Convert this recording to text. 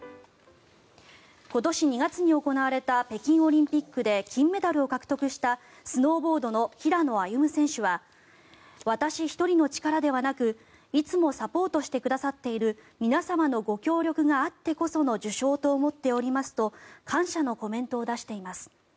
今年２月に行われた北京オリンピックで金メダルを獲得したスノーボードの平野歩夢選手は私一人の力ではなくいつもサポートしてくださっている皆様のご協力があってこその受章と思っておりますと感謝のコメントを出しています。